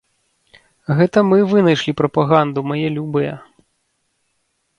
Гэта мы вынайшлі прапаганду, мае любыя!